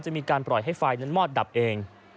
จะมีการปล่อยให้ไฟนั้นมอดดับเอง